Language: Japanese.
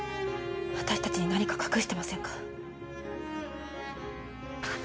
私たちに何か隠してませんか？